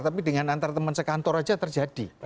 tapi dengan antar teman sekantor saja terjadi